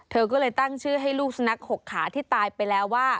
เธอก็เลยตั้งชื่อให้ลูกสุนัข๖ขาที่ตายไปแล้วว่า